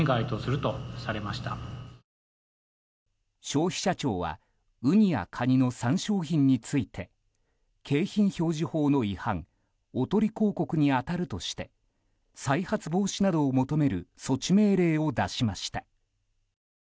消費者庁はウニやカニの３商品について景品表示法の違反おとり広告に当たるとして再発防止などを求める措置命令を出しました。